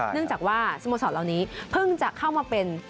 เนื่องจากว่าสโมสรเหล่านี้เพิ่งจะเข้ามาเป็น